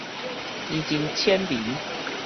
伊真淺眠